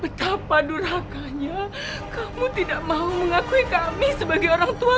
betapa durhakanya kamu tidak mau mengakui kami sebagai orang tua